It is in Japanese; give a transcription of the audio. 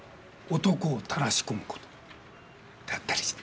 男をたらしこむ事だったりして。